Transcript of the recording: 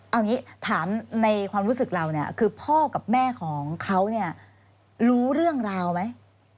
เอาอย่างนี้ถามในความรู้สึกเราเนี่ยคือพ่อกับแม่ของเขาเนี่ยรู้เรื่องราวไหม